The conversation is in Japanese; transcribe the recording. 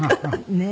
ねえ。